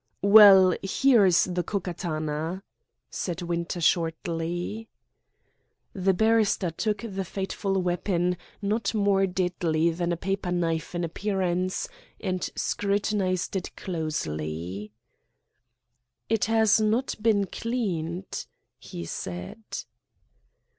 "Well, here is the Ko Katana," said Winter shortly. The barrister took the fateful weapon, not more deadly than a paper knife in appearance, and scrutinised it closely. "It has not been cleaned," he said.